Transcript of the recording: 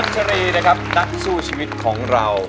คุณค่อนชะนีนะครับนักสู้ชีวิตของเรา